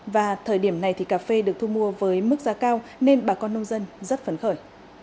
và thời điểm này thì cà phê được thu mua với mức giá cao nên bà con nông dân rất phấn khởi